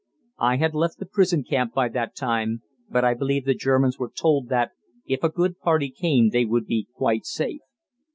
I had left the prison camp by that time, but I believe the Germans were told that if a good party came they would be quite safe.